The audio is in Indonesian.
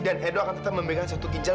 dan edo akan tetap memberikan satu ginjal